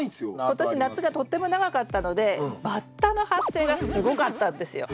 今年夏がとっても長かったのでバッタの発生がすごかったんですよ。